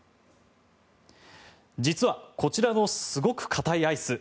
実は、こちらのすごく硬いアイス